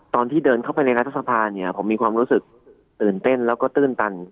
ตอนที่เดินเข้าไปในรัฐสภาเนี่ยผมมีความรู้สึกตื่นเต้นแล้วก็ตื้นตัน